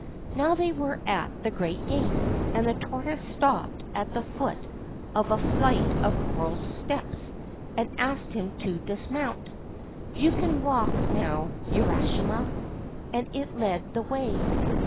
Now they were at the great gate, and the tortoise stopped at the foot of a flight of coral steps and asked him to dismount. ' You can walk now, Urashima '; and it led the way.